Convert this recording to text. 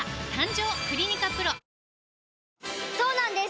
そうなんです